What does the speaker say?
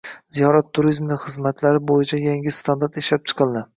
Ziyorat turizmi xizmatlari bo‘yicha yangi standart ishlab chiqildi